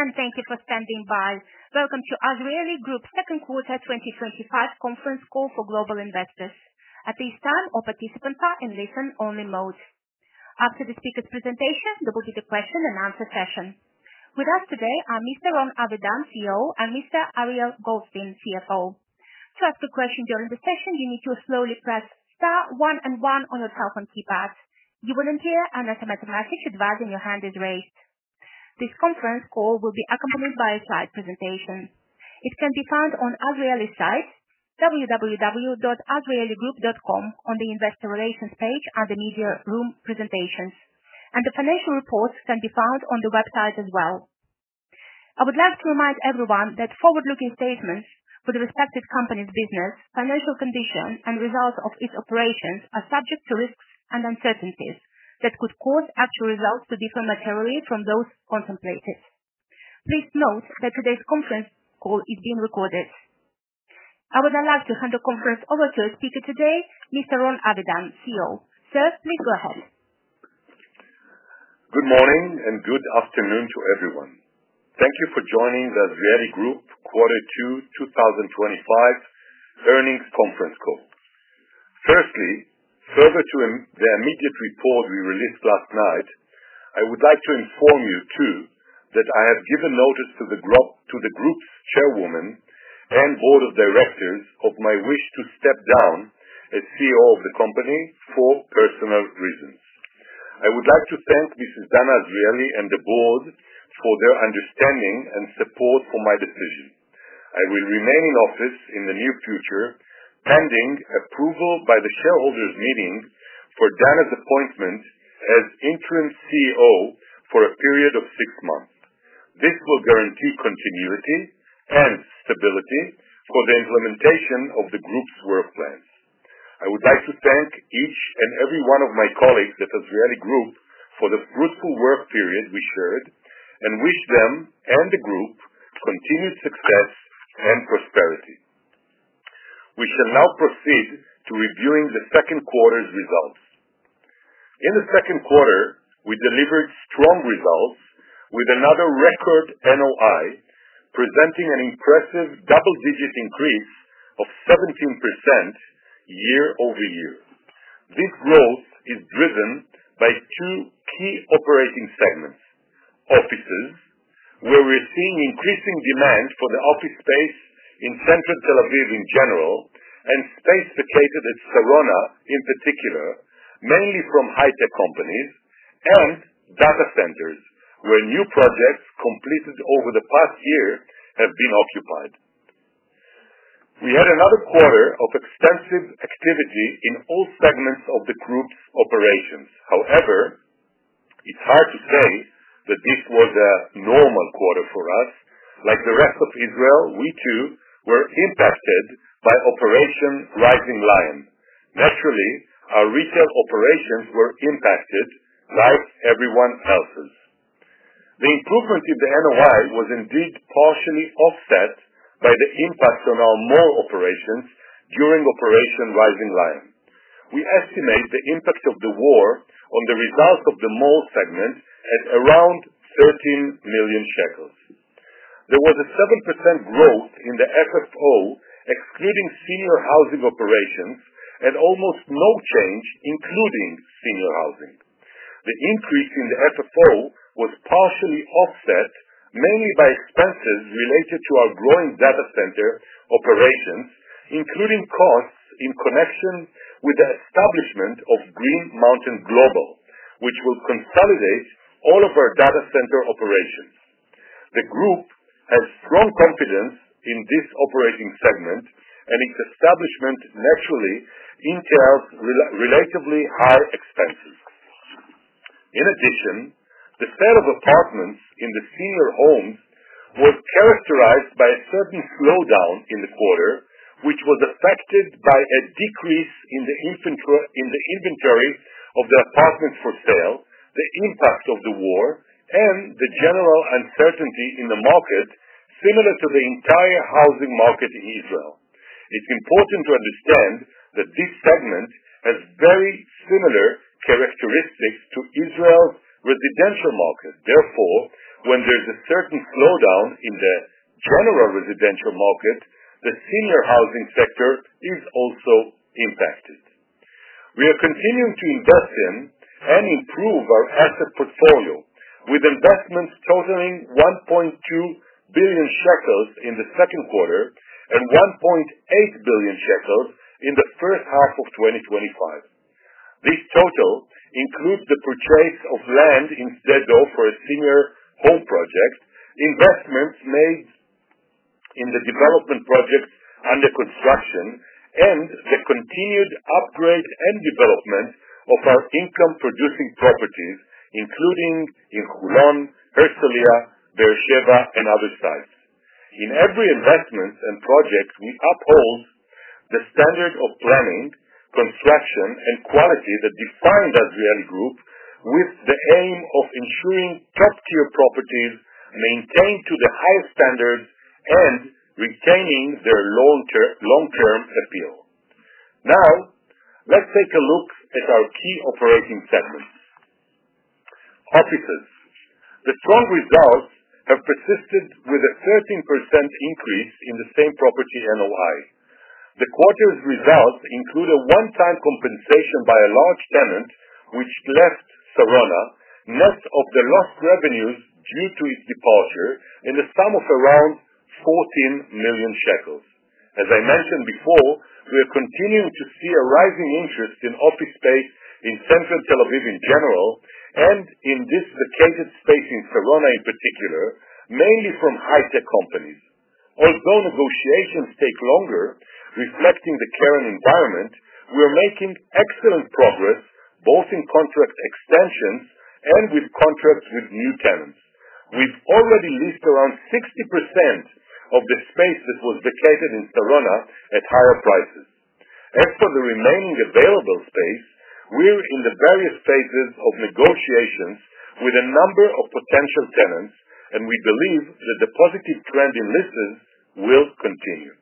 Hey, and thank you for standing by. Welcome to Azrieli Group's Second Quarter 2025 Conference Call for Global Investors. At this time, all participants are in listen-only mode. After the speaker's presentation, there will be the question-and-answer session. With us today are Mr. Ron Avidan, CEO, and Mr. Ariel Goldstein, CFO. To ask a question during the session, you need to slowly press star one and one on your telephone keypad. You will then hear an automated message advising your hand is raised. This conference call will be accompanied by a slide presentation. It can be found on Azrieli's site, www.azrieligroup.com, on the investor relations page and the media room presentations. The financial reports can be found on the website as well. I would like to remind everyone that forward-looking statements for the respective company's business, financial condition, and results of its operations are subject to risks and uncertainties that could cause actual results to differ materially from those contemplated. Please note that today's conference call is being recorded. I would now like to hand the conference over to our speaker today, Mr. Ron Avidan, CEO. Sir, please go ahead. Good morning and good afternoon to everyone. Thank you for joining the Azrieli Group Quarter Two 2025 Earnings Conference Call. Firstly, further to the immediate report we released last night, I would like to inform you too that I have given notice to the group's Chairwoman and Board of Directors of my wish to step down as CEO of the company for personal reasons. I would like to thank Mrs. Dana Azrieli and the Board for their understanding and support for my decision. I will remain in office in the near future, pending approval by the shareholders' meeting for Dana's appointment as interim CEO for a period of six months. This will guarantee continuity and stability for the implementation of the Group's work plans. I would like to thank each and every one of my colleagues at Azrieli Group for the fruitful work period we shared and wish them and the group continued success and prosperity. We shall now proceed to reviewing the second quarter's results. In the second quarter, we delivered strong results with another record NOI presenting an impressive double-digit increase of 17% year-over-year. This growth is driven by two key operating segments: offices, where we're seeing increasing demand for the office space in central Tel Aviv in general, and space located at Sarona in particular, mainly from high-tech companies, and data centers where new projects completed over the past year have been occupied. We had another quarter of extensive activity in all segments of the group's operations. However, it's hard to say that this was a normal quarter for us. Like the rest of Israel, we too were impacted by operation Rising Lion. Naturally, our retail operations were impacted like everyone else's. The improvement in the NOI was indeed partially offset by the impact on our mall operations during operation Rising Lion. We estimate the impact of the war on the results of the mall segment at around 13 million shekels. There was a 7% growth in the FFO, excluding senior housing operations, and almost no trends, including senior housing. The increase in the FFO was partially offset, mainly by expenses related to our growing data center operations, including costs in connection with the establishment of Green Mountain Global, which will consolidate all of our data center operations. The group has strong confidence in this operating segment, and its establishment naturally incurred relatively high expenses. In addition, the spend of apartments in the senior homes was characterized by a certain slowdown in the quarter, which was affected by a decrease in the inventory of the apartments for sale, the impact of the war, and the general uncertainty in the market, similar to the entire housing market in Israel. It's important to understand that this segment has very similar characteristics to Israel's residential market. Therefore, when there is a certain slowdown in the general residential market, the senior housing sector is also impacted. We are continuing to invest in and improve our asset portfolio with investments totaling 1.2 billion shekels in the second quarter and 1.8 billion shekels in the first half of 2025. This total includes the purchase of land in Stadel for a senior home project, investments made in the development projects under construction, and the continued upgrade and development of our income-producing properties, including in Herzliya, Beer Sheva, and other sites. In every investment and project, we uphold the standard of planning, construction, and quality that defines the Azrieli Group, with the aim of ensuring top-tier properties maintained to the highest standards and retaining their long-term appeal. Now, let's take a look at our key operating segments. Offices. The strong results have persisted with a 13% increase in the same property NOI. The quarter's results include a one-time compensation by a large tenant, which left Sarona, most of the lost revenues due to its departure, in the sum of around 14 million shekels. As I mentioned before, we are continuing to see a rising interest in office space in central Tel Aviv in general and in this located space in Sarona in particular, mainly from high-tech companies. Although negotiations take longer, reflecting the current environment, we're making excellent progress both in contract extensions and with contracts with new tenants. We've already leased around 60% of the space that was located in Sarona at higher prices. As for the remaining available space, we're in the various phases of negotiations with a number of potential tenants, and we believe that the positive trend in leases will continue.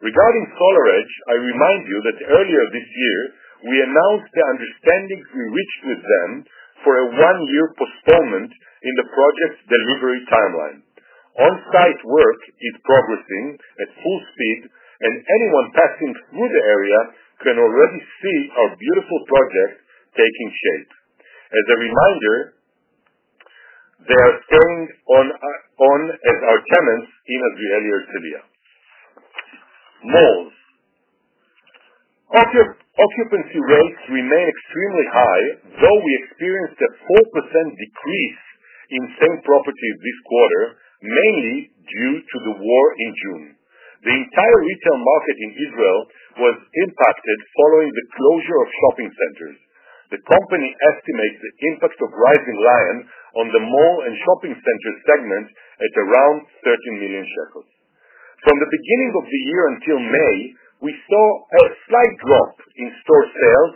Regarding SolarEdge, I remind you that earlier this year, we announced the understandings we reached with them for a one-year postponement in the project's delivery timeline. On-site work is progressing at full speed, and anyone passing through the area can already see our beautiful projects taking shape. As a reminder, they are staying on as our tenants in Azrieli Herzliya. Malls. Occupancy rates remain extremely high, though we experienced a 4% decrease in same properties this quarter, mainly due to the war in June. The entire retail market in Israel was impacted following the closure of shopping centers. The company estimates the impact of operation Rising Lion on the mall and shopping center segment at around 13 million shekels. From the beginning of the year until May, we saw a slight drop in store sales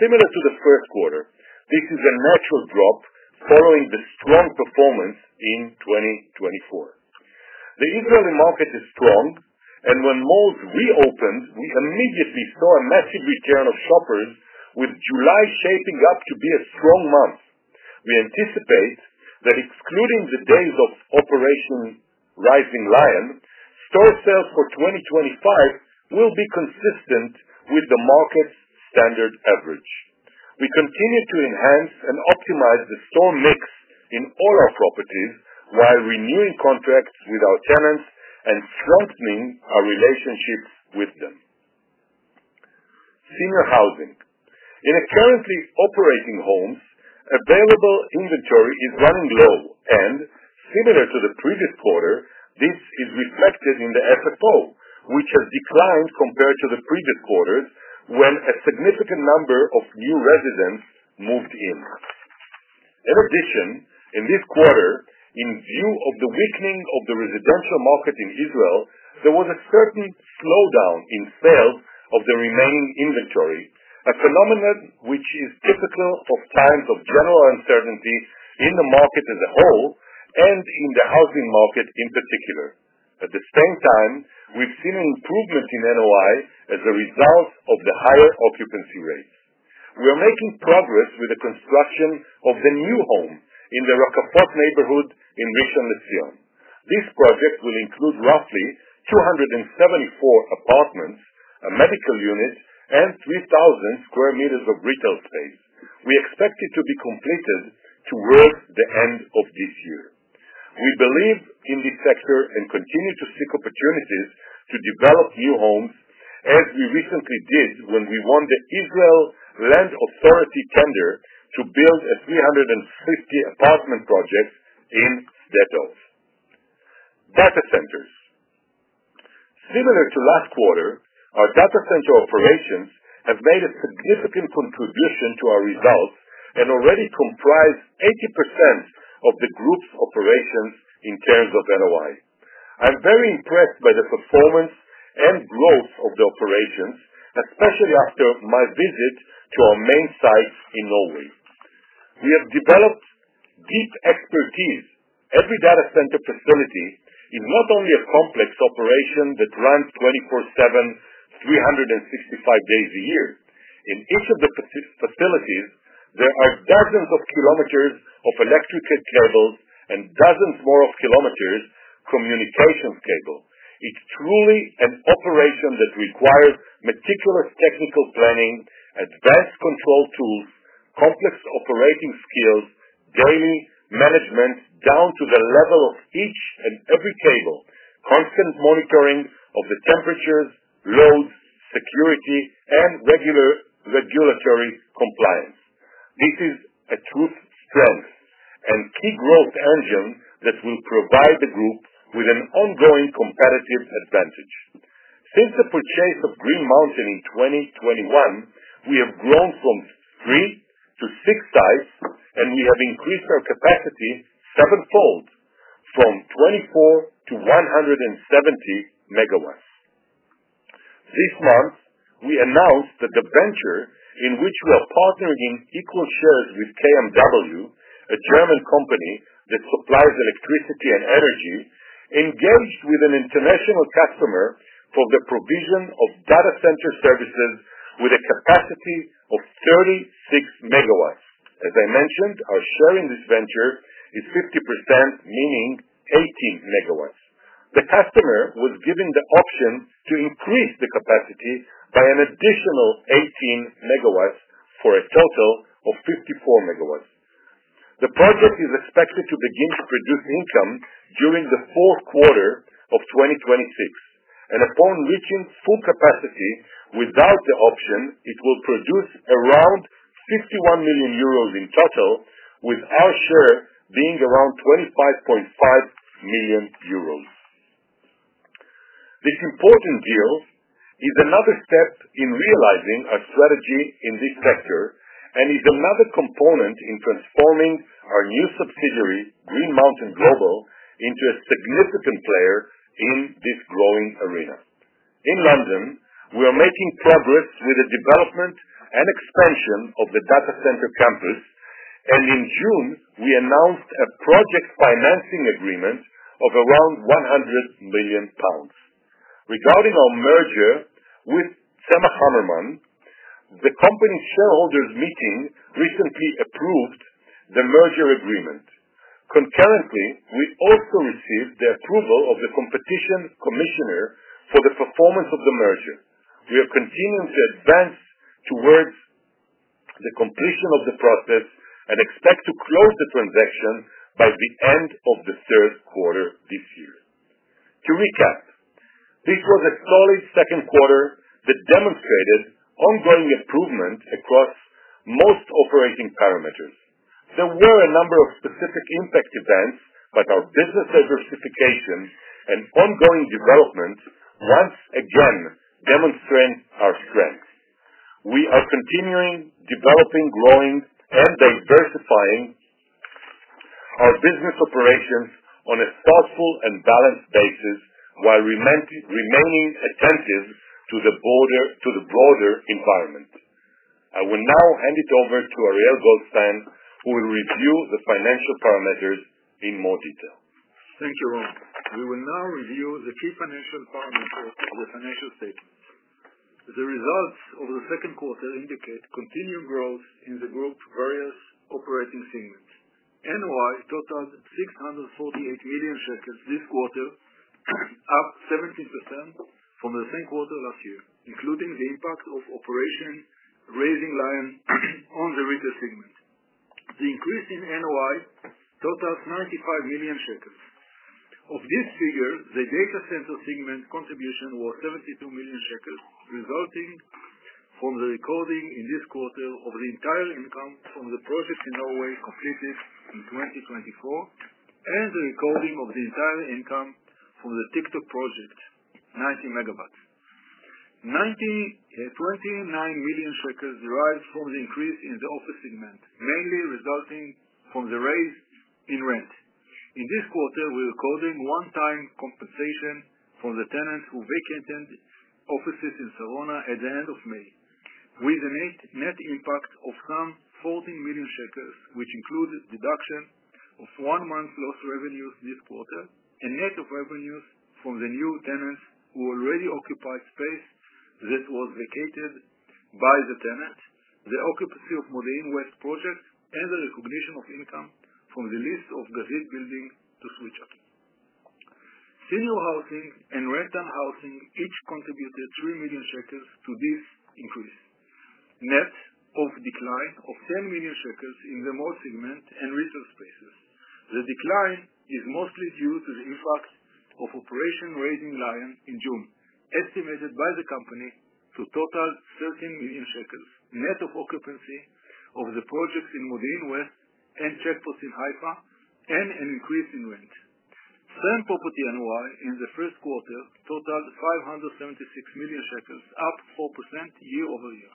similar to the first quarter. This is a natural drop following the strong performance in 2024. The Israeli market is strong, and when malls reopened, we immediately saw a massive return of shoppers, with July shaping up to be a strong month. We anticipate that, excluding the days of operation Rising Lion, store sales for 2025 will be consistent with the market's standard average. We continue to enhance and optimize the store mix in all our properties while renewing contracts with our tenants and strengthening our relationships with them. Senior housing. In the currently operating homes, available inventory is running low, and similar to the previous quarter, this is reflected in the FFO, which has declined compared to the previous quarter when a significant number of new residents moved in. In addition, in this quarter, in view of the weakening of the residential market in Israel, there was a certain slowdown in sales of the remaining inventory, a phenomenon which is typical of times of general uncertainty in the market as a whole and in the housing market in particular. At the same time, we've seen improvements in NOI as a result of the higher occupancy rates. We are making progress with the construction of the new home in the Rockaport neighborhood in Neve Sha'anan. This project will include roughly 274 apartments, a medical unit, and 3,000 sq m of retail space. We expect it to be completed towards the end of this year. We believe in the sector and continue to seek opportunities to develop new homes, as we recently did when we won the Israel Land Authority tender to build 350 apartment projects in Stedel. Data centers. Similar to last quarter, our data center operations have made a significant contribution to our results and already comprise 80% of the group's operations in terms of NOI. I'm very impressed by the performance and growth of the operations, especially after my visit to our main sites in Norway. We have developed deep expertise. Every data center facility is not only a complex operation that runs 24/7, 365 days a year. In each of the facilities, there are dozens of kilometers of electric cables and dozens more of kilometers of communications cables. It's truly an operation that requires meticulous technical planning, advanced control tools, complex operating skills, daily management down to the level of each and every cable, constant monitoring of the temperatures, loads, security, and regular regulatory compliance. This is a true strength and key growth engine that will provide the group with an ongoing competitive advantage. Since the purchase of Green Mountain in 2021, we have grown from three to six sites, and we have increased our capacity sevenfold from 24 MW to 170 MW. This month, we announced that the venture in which we are partnering in equal shares with KMW, a German company that supplies electricity and energy, engaged with an international customer for the provision of data center services with a capacity of 36 MW. As I mentioned, our share in this venture is 50%, meaning 18 MW. The customer was given the option to increase the capacity by an additional 18 MW for a total of 54 MW. The project is expected to begin to produce income during the fourth quarter of 2026. Upon reaching full capacity, without the option, it will produce around 51 million euros in total, with our share being around 25.5 million euros. This important deal is another step in realizing our strategy in this sector and is another component in transforming our new subsidiary, Green Mountain Global, into a significant player in this growing arena. In London, we are making progress with the development and expansion of the data center campus. In June, we announced a project financing agreement of around 100 million pounds. Regarding our merger with ZMH Hammerman, the company shareholders' meeting recently approved the merger agreement. Concurrently, we also received the approval of the competition commissioner for the performance of the merger. We are continuing to advance towards the completion of the process and expect to close the transaction by the end of the third quarter this year. To recap, this was a solid second quarter that demonstrated ongoing improvement across most operating parameters. There were a number of specific impact events, but our business diversification and ongoing development once again demonstrated our strength. We are continuing developing, growing, and diversifying our business operations on a thoughtful and balanced basis while remaining attentive to the broader environment. I will now hand it over to Ariel Goldstein, who will review the financial parameters in more detail. Thank you, Ron. We will now review the key financial statements. The results of the second quarter indicate continued growth in the group's various operating segments. NOI totaled 648 million shekels this quarter, up 17% from the same quarter last year, including the impact of operation Rising Lion on the retail segment. The increase in NOI totaled 95 million shekels. Of this figure, the data center segment contribution was 72 million shekels, resulting from the recording in this quarter of the entire income from the project in Norway completed in 2024 and the recording of the entire income from the TikTok project, 90 MW. 29 million shekels derived from the increase in the office segment, mainly resulting from the raise in rent. In this quarter, we are recording one-time compensation from the tenants who vacated offices in Sarona at the end of May, with a net impact of some 14 million shekels, which included a deduction of one month's lost revenues this quarter and net of revenues from the new tenants who already occupied space that was vacated by the tenants, the occupancy of Mode In West project, and the recognition of income from the lease of the red building to Twitter. Senior housing and rental housing each contributed 3 million shekels to this increase, net of a decline of 10 million shekels in the mall segment and retail spaces. The decline is mostly due to the impact of operation Rising Lion in June, estimated by the company to total 13 million shekels, net of occupancy of the projects in Mode In West and checkpost in Haifa, and an increase in rent. Same property NOI in the first quarter totaled 576 million shekels, up 4% year-over-year.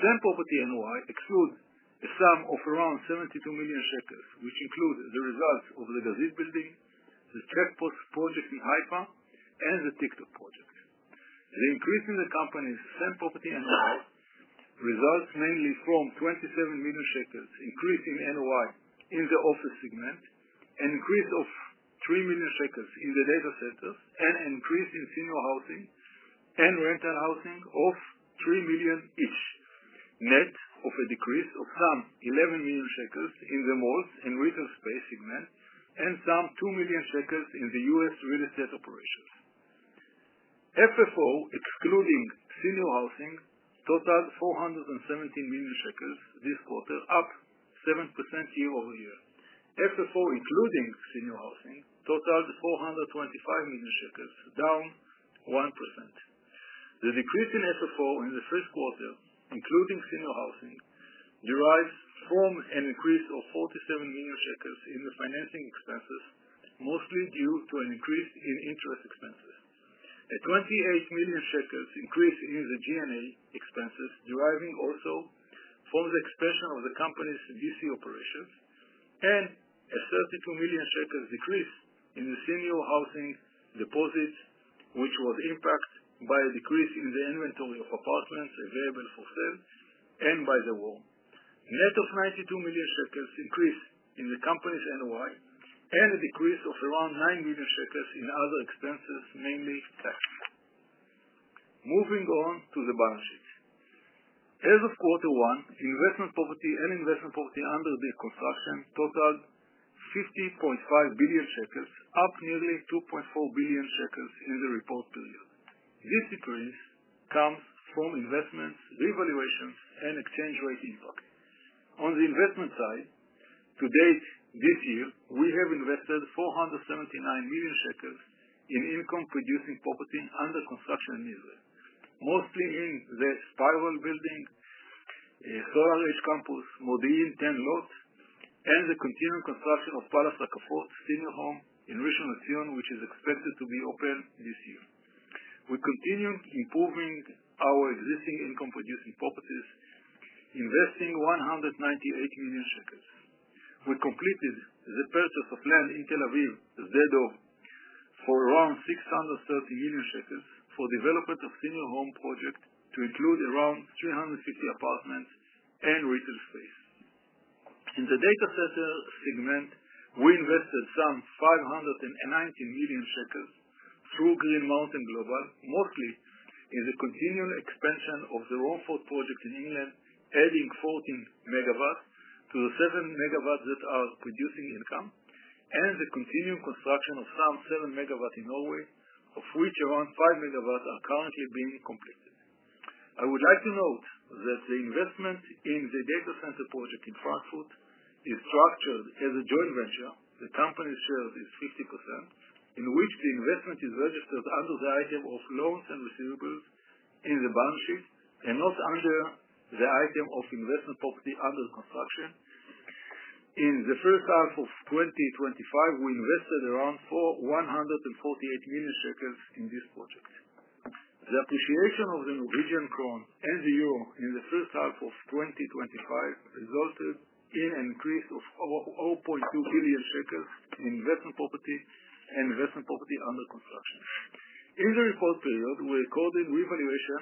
Same property NOI excludes a sum of around 72 million shekels, which includes the results of the Gazette building, the checkpost project in Haifa, and the TikTok project. The increase in the company's same property NOI results mainly from 27 million shekels increase in NOI in the office segment, an increase of 3 million shekels in the data centers, and an increase in senior housing and rental housing of 3 million each, net of a decrease of some 11 million shekels in the malls and retail space segment and some 2 million shekels in the U.S. real estate operations. FFO excluding senior housing totaled 417 million shekels this quarter, up 7% year-over-year. FFO including senior housing totaled 425 million shekels, down 1%. The decrease in FFO in the first quarter, including senior housing, derives from an increase of 47 million shekels in the financing expenses, mostly due to an increase in interest expenses. A 28 million shekels increase in the G&A expenses deriving also from the expansion of the company's GC operations, and a 32 million shekels decrease in the senior housing deposits, which was impacted by a decrease in the inventory of apartments available for sale and by the law. Net of 92 million shekels increase in the company's NOI and a decrease of around 9 million shekels in other expenses, namely tax. Moving on to the balance sheet. As of quarter one, investment property and investment property under construction totaled 50.5 billion shekels, up nearly 2.4 billion shekels in the report period. This decrease comes from investment, revaluation, and exchange rate impact. On the investment side, to date this year, we have invested 479 million shekels in income-producing property under construction in Israel, mostly in the Spiral Building, SolarEdge Campus, Modi'in 10 North, and the continuing construction of Palace Rockaport Senior Home in Neve Sha'anan, which is expected to be open this year. We're continuing improving our existing income-producing properties, investing 198 million shekels. We completed the purchase of land in Tel Aviv, Stedel, for around 630 million shekels for the development of a senior home project to include around 350 apartments and retail space. In the data center segment, we invested some 590 million shekels through Green Mountain Global, mostly in the continuing expansion of the Rawford project in England, adding 14 MW to the 7 MW that are producing income, and the continuing construction of some 7 MW in Norway, of which around 5 MW are currently being completed. I would like to note that the investment in the data center project in Frankfurt is structured as a joint venture. The company's share is 50%, in which the investment is registered under the item of loans and receivables in the balance sheet and not under the item of investment property under construction. In the first half of 2025, we invested around 148 million shekels in this project. The appreciation of the Norwegian crown and the euro in the first half of 2025 resulted in an increase of 0.2 billion shekels in investment property and investment property under construction. In the report period, we recorded a revaluation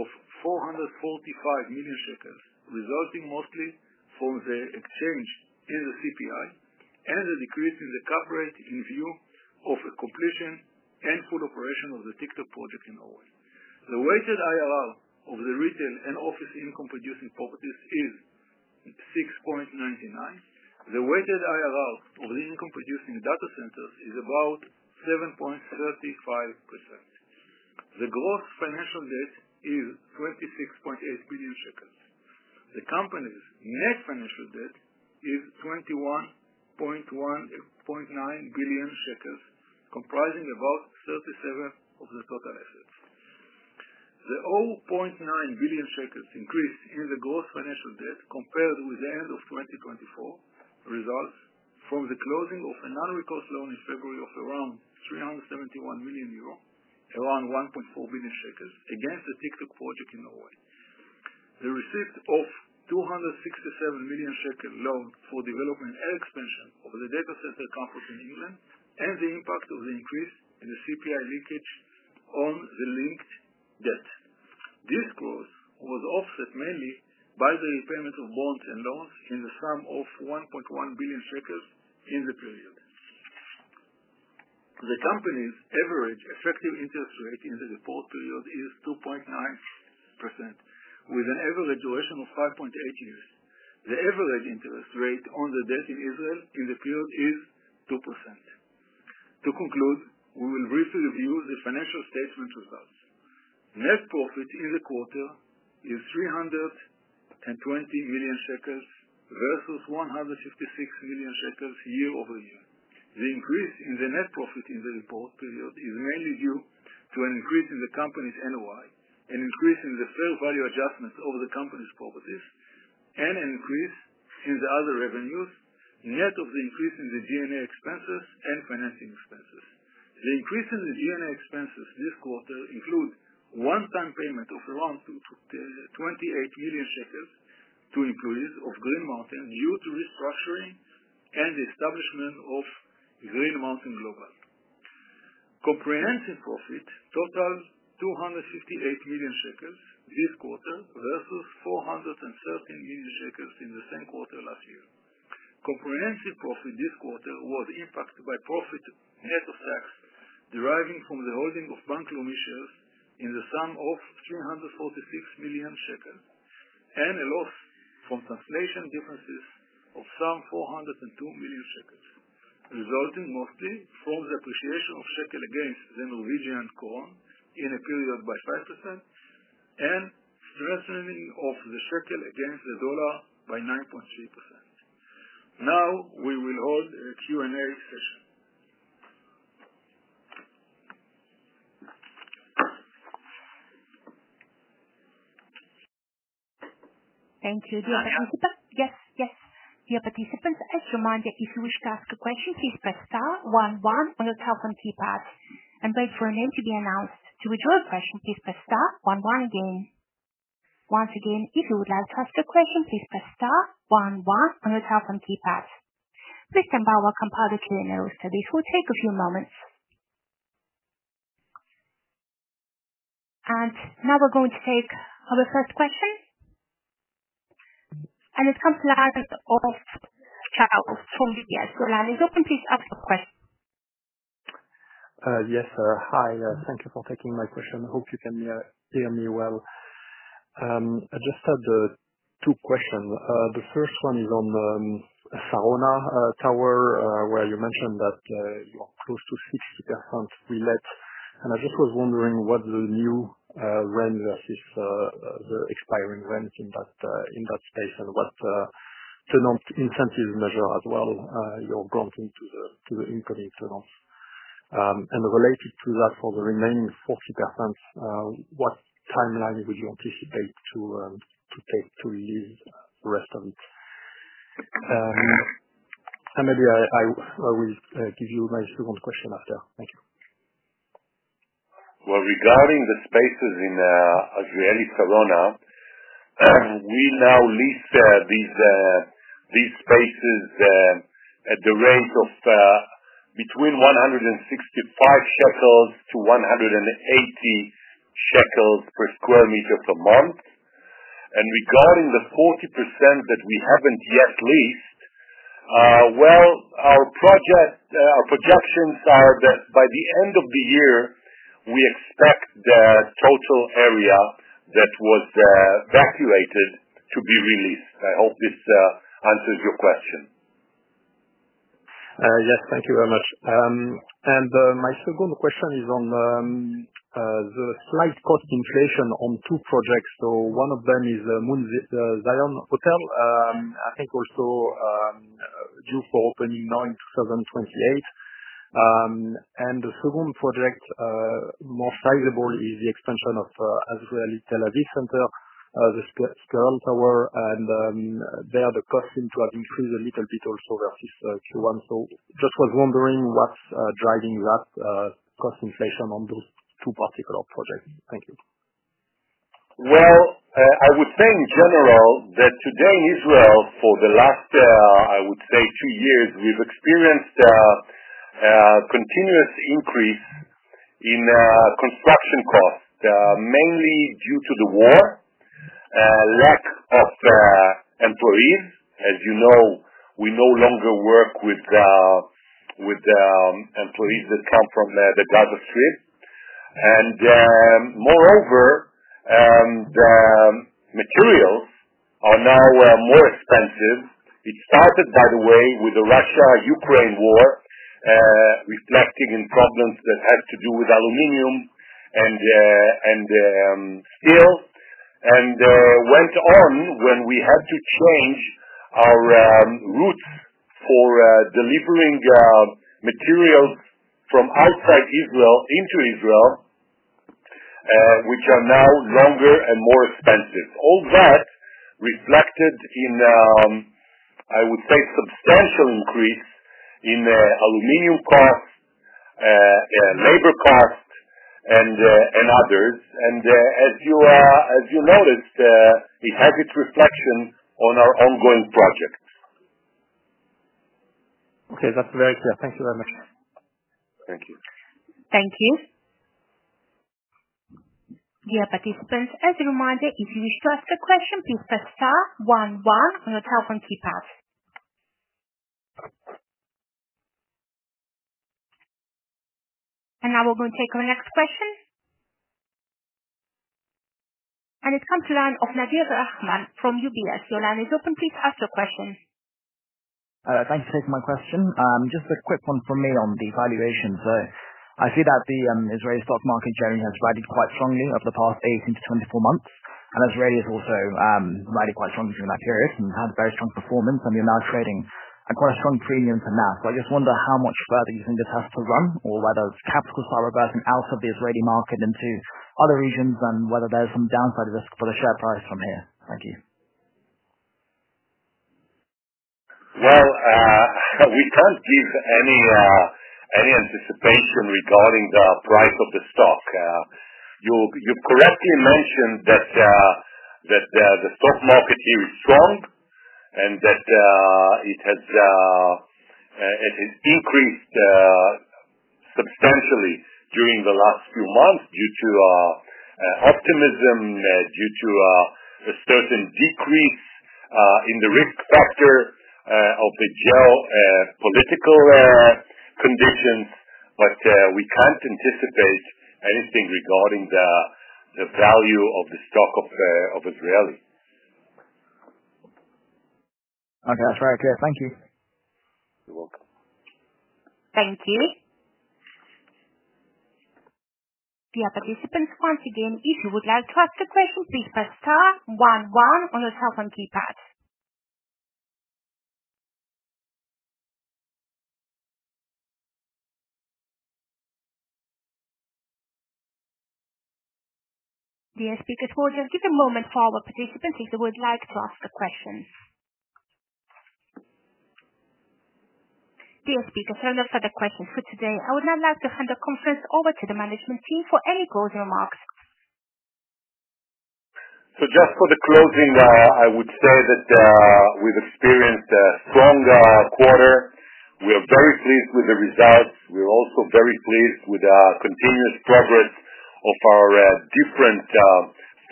of 445 million shekels, resulting mostly from the exchange in the CPI and the decrease in the cap rate in view of completion and full operation of the TikTok project in Norway. The weighted IRR of the retail and office income-producing properties is 6.99%. The weighted IRR of the income-producing data centers is about 7.35%. The gross financial debt is 26.8 billion shekels. The company's net financial debt is 21.9 billion shekels, comprising about 37% of the total assets. The 0.9 billion shekels increase in the gross financial debt compared with the end of 2024 results from the closing of another recourse loan in February of around 371 million euro, around 1.4 billion shekels, against the TikTok project in Norway, the receipt of 267 million shekel loans for development and expansion of the data center campus in England, and the impact of the increase in the CPI leakage on the linked debt. This growth was offset mainly by the repayment of bonds and loans in the sum of 1.1 billion shekels in the period. The company's average effective interest rate in the report period is 2.9%, with an average duration of 5.8 years. The average interest rate on the debt in Israel in the period is 2%. To conclude, we will briefly review the financial statements results. Net profit in the quarter is 320 million shekels versus 156 million shekels year-over-year. The increase in the net profit in the report period is mainly due to an increase in the company's NOI, an increase in the fair value adjustments of the company's properties, and an increase in the other revenues, net of the increase in the G&A expenses and financing expenses. The increase in the G&A expenses this quarter includes one-time payment of around 28 million shekels to employees of Green Mountain due to restructuring and the establishment of Green Mountain Global. Comprehensive profit totaled 258 million shekels this quarter versus 413 million shekels in the same quarter last year. Comprehensive profit this quarter was impacted by profit net of sales deriving from the holding of bank loan issues in the sum of 346 million shekels and a loss from translation differences of some 402 million shekels, resulting mostly from the appreciation of shekel against the Norwegian crown in a period by 5% and strengthening of the shekel against the dollar by 9.3%. Now, we will hold a Q&A session. Thank you, the host. Yes, yes. Your participant is reminded if you wish to ask a question, please press star one one on your telephone keypad and wait for a name to be announced. To withdraw a question, please press star one one again. Once again, if you would like to ask a question, please press star one one on your telephone keypad. Please stand by while we compile the Q&A list. This will take a few moments. Now we're going to take our first question. It comes to the Ireland office Charles from UBS. Roland, is it open to you to ask a question? Yes, sir. Hi, and thank you for taking my question. I hope you can hear me well. I just have two questions. The first one is on the Sarona Tower, where you mentioned that you're close to 60% delay. I was wondering what the new rent versus the expiring rent in that space is and what tenant incentives measure as well you're granting to the incoming tenants. Related to that, for the remaining 40%, what timeline would you anticipate to take to release the restant? Maybe I will give you my second question after. Thank you. Regarding the spaces in Azrieli Sarona, we now list these spaces at the rate of between 165-180 shekels per square meter per month. Regarding the 40% that we haven't yet leased, our projections are that by the end of the year, we expect the total area that was evacuated to be released. I hope this answers your question. Yes, thank you very much. My second question is on the slight cost inflation on two projects. One of them is the Moon Zion Hotel, I think also due for opening on 7/28. The second project, more sizable, is the expansion of Azrieli Tel Aviv Center, the Sperch Tower, and there the cost is driving seasonally competitors over this one. I was just wondering what's driving that cost inflation on those two particular projects. Thank you. In general, today in Israel, for the last two years, we've experienced a continuous increase in construction costs, mainly due to the war and lack of employees. As you know, we no longer work with employees that come from the Gaza Strip. Moreover, materials are now more expensive. It started, by the way, with the Russia-Ukraine war, reflecting in problems that had to do with aluminum and steel. It went on when we had to change our routes for delivering materials from outside Israel into Israel, which are now longer and more expensive. All that reflected in a substantial increase in aluminum costs, labor costs, and others. As you noticed, it has its reflection on our ongoing projects. Okay, that's very clear. Thank you very much. Thank you. Thank you. Participants, as a reminder, if you wish to ask a question, please press star one one on your telephone keypad. We are going to take our next question. It comes to the line of Nadir Rahman from UBS. Your line is open. Please ask a question. Thank you for my question. Just a quick one from me on the valuations. I see that the Israeli stock market sharing has varied quite strongly over the past 18-24 months. Azrieli has also varied quite strongly during that period and had a very strong performance. You're now stating a quite strong premium to NAV. I just wonder how much further you think this has to run or whether its caps will start reversing out of the Israeli market into other regions and whether there's some downside risk for the share price from here. Thank you. We can't give any anticipation regarding the price of the stock. You correctly mentioned that the stock market here is growing and that it has increased substantially during the last few months due to optimism, due to a certain decrease in the risk factor of the geopolitical conditions. We can't anticipate anything regarding the value of the stock of Azrieli. That's very clear. Thank you. You're welcome. Thank you. Your participants, once again, if you would like to ask a question, please press star one one on your telephone keypad. The speaker is holding just a moment for our participants if they would like to ask a question. The speaker is turned off for the questions for today. I would now like to hand the conference over to the management team for any closing remarks. For the closing, I would say that we've experienced a strong quarter. We are very pleased with the results. We're also very pleased with the continuous progress of our different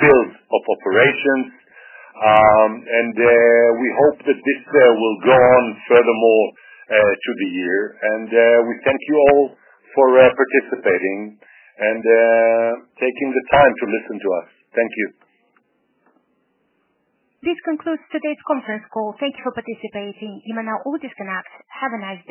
fields of operations. We hope that this will go on furthermore through the year. We thank you all for participating and taking the time to listen to us. Thank you. This concludes today's conference call. Thank you for participating. In the meantime, have a nice day.